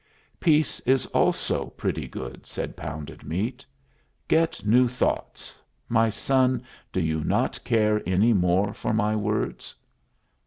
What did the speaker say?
"Peace is also pretty good," said Pounded Meat. "Get new thoughts. My son, do you not care any more for my words?"